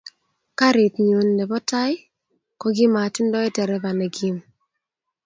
Karit nyun nebo tai kokimatindoi tereva ne kim